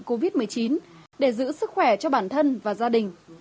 covid một mươi chín để giữ sức khỏe cho bản thân và gia đình